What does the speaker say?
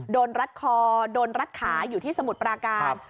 รัดคอโดนรัดขาอยู่ที่สมุทรปราการ